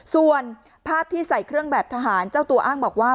ส่วนภาพที่ใส่เครื่องแบบทหารเจ้าตัวอ้างบอกว่า